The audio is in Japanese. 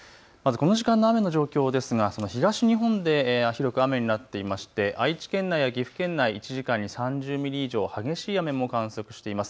この時間の雨の状況ですが東日本では広く雨になっていまして愛知県内や岐阜県内１時間に３０ミリ以上、激しい雨も観測しています。